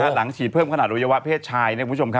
หลังฉีดเพิ่มขนาดอวัยวะเพศชาย